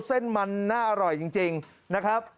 เส้นมันน่าอร่อยจริงนะครับ